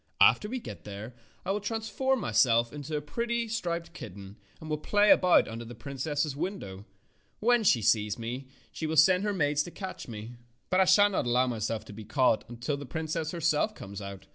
After we get there I will transform myself into a pretty, striped kitten, and will play about under the princess's window. When she sees me she will send her maids to catch me. But I shall not allow myself to be caught until the princess herself comes out.